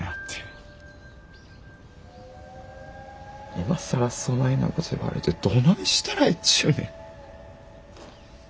今更そないなこと言われてどないしたらええっちゅうねん。